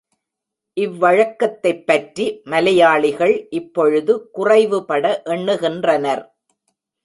இவ் வழக்கத்தைப்பற்றி மலையாளிகள் இப்பொழுது குறைவு பட எண்ணுகின்றனர்.